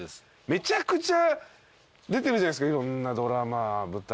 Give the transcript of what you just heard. めちゃくちゃ出てるじゃないですかいろんなドラマ舞台。